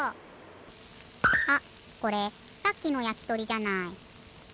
あっこれさっきのやきとりじゃない。